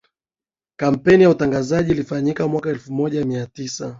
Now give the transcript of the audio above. kampeini ya utangazaji ilifanyika mwaka elfu moja mia tisa